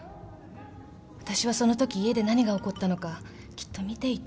あたしはそのとき家で何が起こったのかきっと見ていた。